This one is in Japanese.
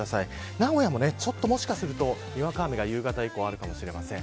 名古屋ももしかするとにわか雨が夕方以降にあるかもしれません。